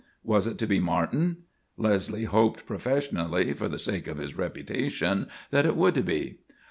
Was it to be Martin? Leslie hoped professionally, for the sake of his reputation, that it would be.